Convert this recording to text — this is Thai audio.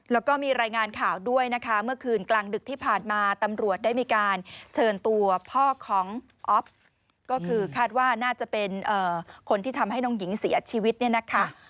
แล้วก็มีรายงานข่าวด้วยนะคะเมื่อคืนกลางดึกที่ผ่านมาตำรวจได้มีการเชิญตัวพ่อของอ๊อฟก็คือคาดว่าน่าจะเป็นคนที่ทำให้น้องหญิงเสียชีวิตเนี่ยนะคะ